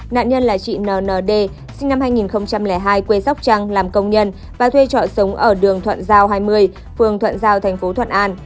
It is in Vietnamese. nạn nhân là chị nd sinh năm hai nghìn hai quê sóc trăng làm công nhân và thuê trọ sống ở đường thuận giao hai mươi phường thuận giao thành phố thuận an